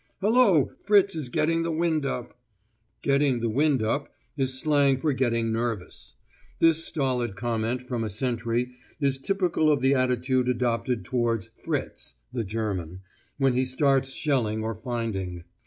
'Hullo, Fritz is getting the wind up.' 'Getting the wind up' is slang for getting nervous: this stolid comment from a sentry is typical of the attitude adopted towards 'Fritz' (the German) when he starts shelling or finding.